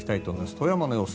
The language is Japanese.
富山の様子